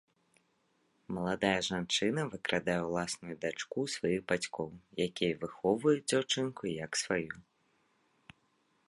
Маладая жанчына выкрадае ўласную дачку ў сваіх бацькоў, якія выхоўваюць дзяўчынку як сваю.